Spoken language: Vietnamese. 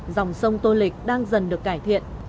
dòng sông tô lịch đang dần được cải thiện